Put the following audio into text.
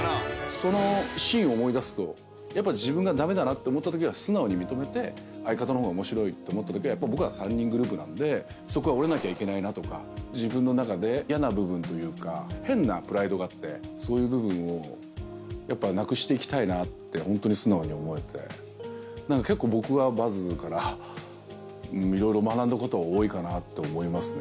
そのシーンを思い出すとやっぱ自分が駄目だなって思ったときは素直に認めて相方の方が面白いと思ったときはやっぱ僕ら３人グループなんでそこは折れなきゃいけないなとか自分の中で嫌な部分というか変なプライドがあってそういう部分をやっぱなくしていきたいなってホントに素直に思えてなんか結構僕はバズから色々学んだことは多いかなって思いますね